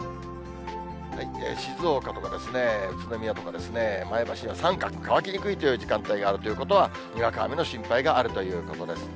静岡とか宇都宮とか、前橋は三角、乾きにくいという時間帯があるということは、にわか雨の心配があるということです。